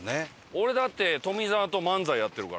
俺だって富澤と漫才やってるからね。